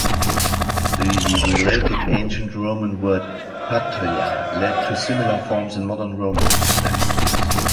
The related Ancient Roman word "Patria" led to similar forms in modern Romance languages.